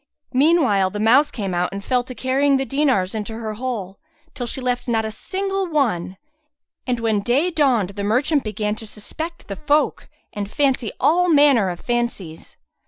Meanwhile the mouse came out and fell to carrying the dinars into her hole, till she left not a single one; and when day dawned the merchant began to suspect the folk and fancy all manner of fancies.